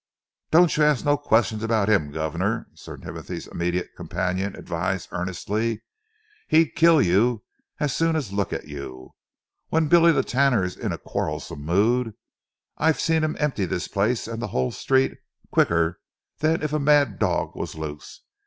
"Don't you ask no questions about 'im, guvnor," Sir Timothy's immediate companion advised earnestly. "He'd kill you as soon as look at you. When Billy the Tanner's in a quarrelsome mood, I've see 'im empty this place and the whole street, quicker than if a mad dog was loose.